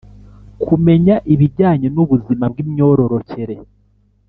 kumenya ibijyanye n’ubuzima bw’imyororokere,